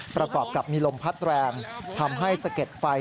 ประกอบกับมีลมพัดแรงทำให้สะเก็ดไฟ